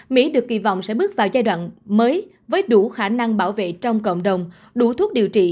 mỹ được kỳ vọng sẽ bước vào giai đoạn mới với đủ khả năng bảo vệ trong cộng đồng đủ thuốc điều trị